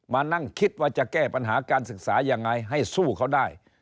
มานั่งคิดว่าจะแก้ปัญหาการศึกษายังไงให้สู้เขาได้